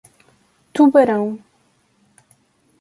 Tubarão